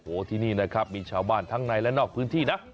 โอ้โหที่นี่นะครับมีชาวบ้านทั้งในและนอกพื้นที่นะ